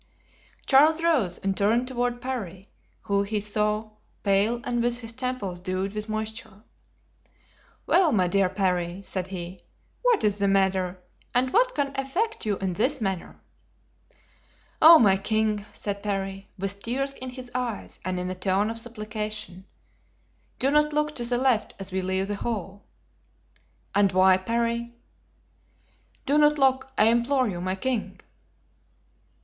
Charles rose and turned toward Parry, whom he saw pale and with his temples dewed with moisture. "Well, my dear Parry," said he, "what is the matter, and what can affect you in this manner?" "Oh, my king," said Parry, with tears in his eyes and in a tone of supplication, "do not look to the left as we leave the hall." "And why, Parry?" "Do not look, I implore you, my king."